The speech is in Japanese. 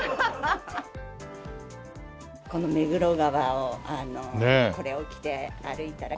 この目黒川をこれを着て歩いたら。